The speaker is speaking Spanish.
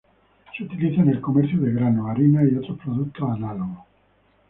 Se utiliza en el comercio de granos, harinas y otros productos análogos.